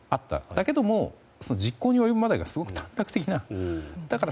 だけども実行に及ぶまでが短絡的だと。